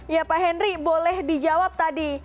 ya pak henry boleh dijawab tadi